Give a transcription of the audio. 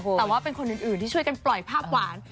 แต่ว่าเป็นคนอื่นที่ช่วยกันปล่อยภาพหวาน